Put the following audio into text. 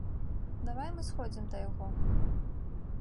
Давай мы сходзім да яго.